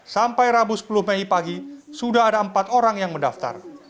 sampai rabu sepuluh mei pagi sudah ada empat orang yang mendaftar